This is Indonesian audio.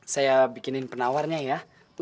saya bikinin penawarnya ya